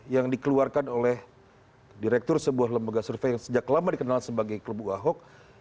yang dikeluarkan oleh direktur sebuah lembaga survei yang sejak lama dikenal sebagai kelompok ahok